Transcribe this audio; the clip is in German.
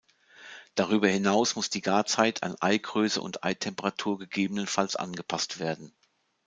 Darüber hinaus muss die Garzeit an Ei-Größe und Ei-Temperatur gegebenenfalls angepasst werden.